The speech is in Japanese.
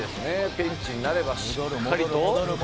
ピンチになればしっかりと。